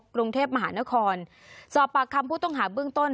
กรุงเทพมหานครสอบปากคำผู้ต้องหาเบื้องต้น